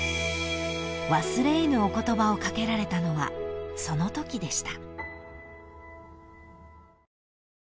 ［忘れ得ぬお言葉を掛けられたのはそのときでした］